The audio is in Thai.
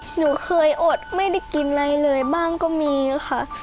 หนูเคยอดไม่ได้กินอะไรเลยบ้างก็มีค่ะ